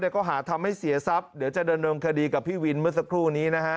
ก็หาทำให้เสียทรัพย์เดี๋ยวจะดำเนินคดีกับพี่วินเมื่อสักครู่นี้นะฮะ